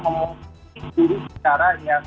mengunggah diri secara